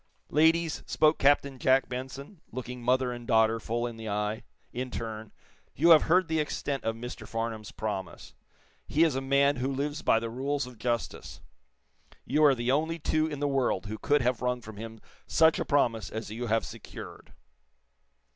"Ladies," spoke Captain Jack Benson, looking mother and daughter full in the eye, in turn, "you have heard the extent of Mr. Farnum's promise. He is a man who lives by the rules of justice. You are the only two in the world who could have wrung from him such a promise as you have secured."